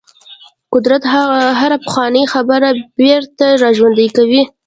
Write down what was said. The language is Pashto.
قدرت هره پخوانۍ خبره بیرته راژوندۍ کوي.